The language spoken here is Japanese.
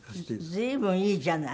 随分いいじゃない。